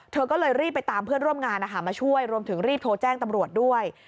เธอก็เลยรีบไปตามเพื่อนร่วมงานมาช่วยรวมถึงรีบโทรแจ้งตำรวจด้วย